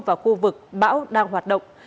vào khu vực bão đang hoạt động